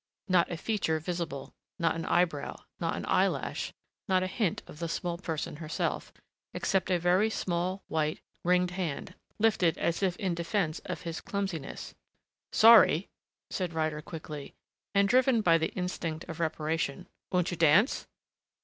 Not a feature visible. Not an eyebrow. Not an eyelash, not a hint of the small person herself, except a very small white, ringed hand, lifted as if in defense of his clumsiness. "Sorry," said Ryder quickly, and driven by the instinct of reparation. "Won't you dance?"